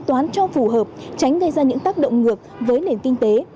toán cho phù hợp tránh gây ra những tác động ngược với nền kinh tế